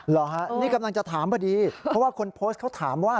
เหรอฮะนี่กำลังจะถามพอดีเพราะว่าคนโพสต์เขาถามว่า